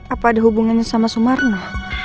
apa ada hubungannya sama sumarno